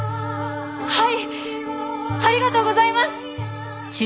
ありがとうございます！